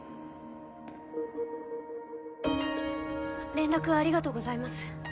連絡ありがとうございます。